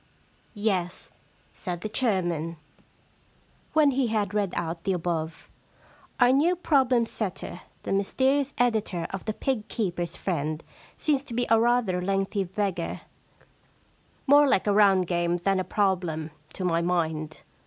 * Yes,* said the chairman, when he had 129 The Problem Club read out the above, * our new problem setter, the mysterious editor of The 'Pig Keepers^ Friend^ seems to be rather a lengthy beggar, More like a round game than a problem, to my mind.